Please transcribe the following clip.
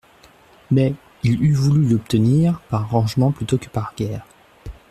Mais il eût voulu l'obtenir par arrangement plutôt que par guerre.